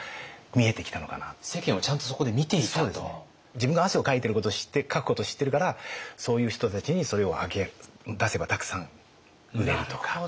自分が汗をかくことを知ってるからそういう人たちにそれを出せばたくさん売れるとか。